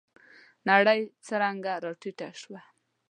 نرۍ څانگه راټيټه شوه.